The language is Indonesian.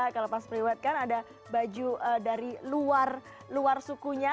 kalau pas priwet kan ada baju dari luar sukunya